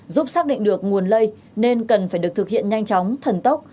giúp xác định được nguồn lây nên cần phải được thực hiện nhanh chóng thần tốc